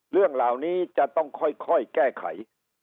เรื่องเหล่านี้จะต้องค่อยแก้ไข